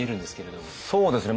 そうですね。